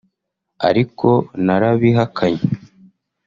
ariko narabihakanye